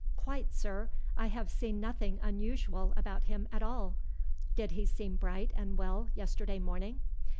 "Quite, sir; I have seen nothing unusual about him at all." "Did he seem bright and well yesterday morning?"